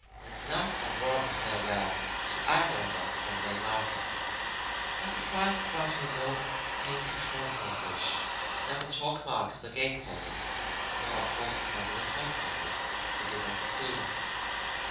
And not a word of farewell to either of us from May Martha not a white, fluttering note pinned to the hawthorn bush; not a chalk mark on the gate post nor a post card in the post office to give us a clew.